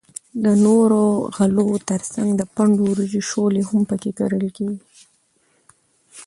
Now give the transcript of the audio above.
د نورو غلو تر څنگ د پنډو وریجو شولې هم پکښی کرل کیږي.